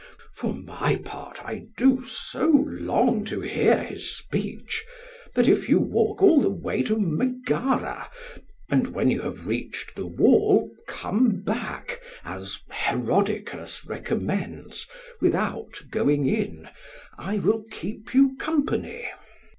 For my part, I do so long to hear his speech, that if you walk all the way to Megara, and when you have reached the wall come back, as Herodicus recommends, without going in, I will keep you company.